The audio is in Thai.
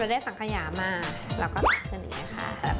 เราได้สั่งขยะมาแล้วก็สั่งขึ้นอย่างนี้ค่ะ